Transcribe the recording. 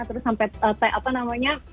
terus sampai apa namanya